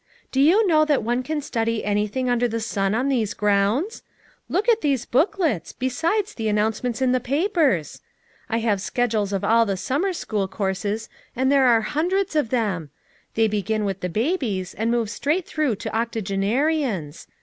Do you know that one can study anything under the sun on these grounds? Look at these book lets, besides the announcements in the papers. I have schedules of all the summer school courses and there are hundreds of them; they begin with the babies and move straight through to octogenarians.